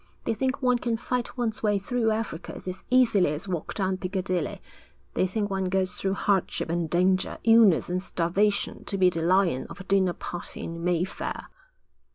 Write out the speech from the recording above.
They think one can fight one's way through Africa as easily as walk down Piccadilly. They think one goes through hardship and danger, illness and starvation, to be the lion of a dinner party in Mayfair.'